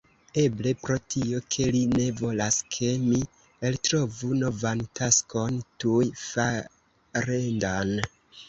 Eble, pro tio ke li ne volas ke mi eltrovu novan taskon tuj farendan.